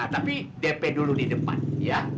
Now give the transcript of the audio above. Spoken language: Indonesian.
tapi dp dulu di depan ya